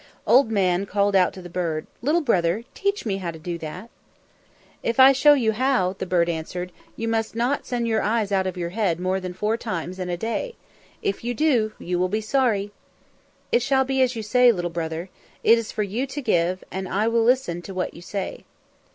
Old Man called out to the bird, "Little brother, teach me how to do that." "If I show you how," the bird answered, "you must not send your eyes out of your head more than four times in a day. If you do, you will be sorry." "It shall be as you say, little brother. It is for you to give, and I will listen to what you say."